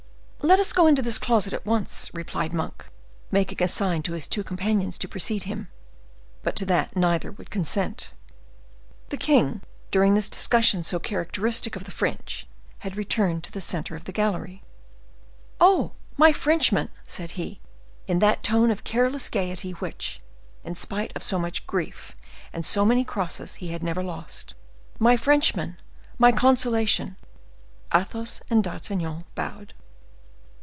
"Let us go into this closet at once," replied Monk, making a sign to his two companions to precede him; but to that neither would consent. The king, during this discussion so characteristic of the French, had returned to the center of the gallery. "Oh! my Frenchmen!" said he, in that tone of careless gayety which, in spite of so much grief and so many crosses, he had never lost. "My Frenchmen! my consolation!" Athos and D'Artagnan bowed.